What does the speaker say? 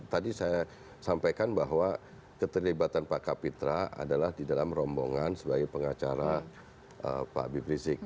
tadi saya sampaikan bahwa keterlibatan pak kapitra adalah didalam rombongan sebagai pengacara pak biprisik